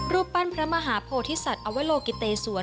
รูปปั้นพระมหาโพธิสัตว์อวโลกิเตสวน